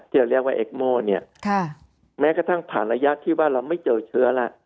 ที่เราเรียกว่าเอกโมเนี้ยค่ะแม้กระทั่งผ่านระยะที่ว่าเราไม่เจอเชื้อล่ะ